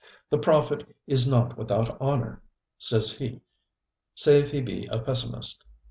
The prophet is not without honor, save he be a pessimist.